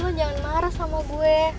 lo jangan marah sama gue